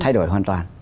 thay đổi hoàn toàn